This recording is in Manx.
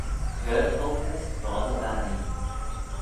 Cur olkys foddey veih.